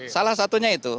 salah satunya itu